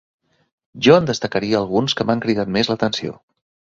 Jo en destacaria alguns que m’han cridat més l’atenció.